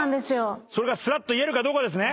それが言えるかどうかですね。